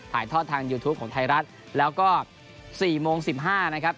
ถ่ายทอดทางยูทูปของไทยรัฐแล้วก็๔โมง๑๕นะครับ